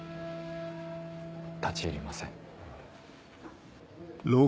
立ち入りません。